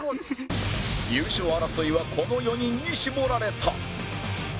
優勝争いはこの４人に絞られた